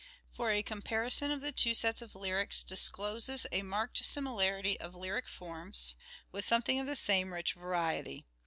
For a comparison of the two sets of lyrics discloses a marked similarity of lyric forms, with something of the same rich variety.